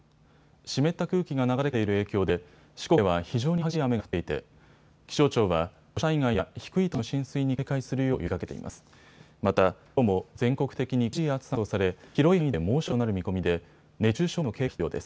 湿った空気が流れ込んでいる影響で四国では非常に激しい雨が降っていて気象庁は土砂災害や低い土地の浸水に警戒するよう呼びかけています。